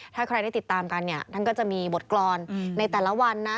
ถ้าใครได้ติดตามกันเนี่ยท่านก็จะมีบทกรรมในแต่ละวันนะ